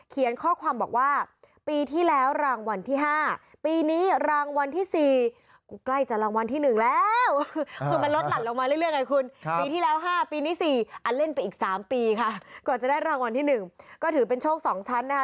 ก่อนจะได้รางวัลที่๑ก็ถือเป็นโชค๒ชั้นนะคะ